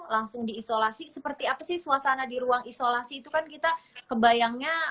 langsung diisolasi seperti apa sih suasana di ruang isolasi itu kan kita kebayangnya